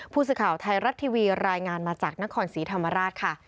ผู้สื่อข่าวไทยรัฐทีวีรายงานมาจากนครศรีธรรมราชค่ะ